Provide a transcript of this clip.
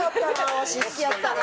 わし好きやったな。